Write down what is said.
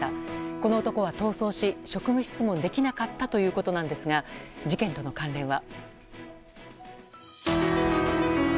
この男は逃走し、職務質問できなかったということですが事件との関連は。